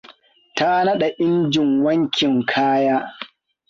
Ta nada injin wankin kaya.